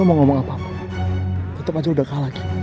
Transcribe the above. lo mau ngomong apapun tetep aja udah kalah gim